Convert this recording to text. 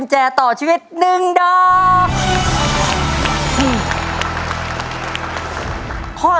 ใช่นักร้องบ้านนอก